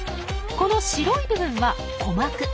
この白い部分は鼓膜。